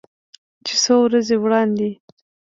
چې څو ورځې وړاندې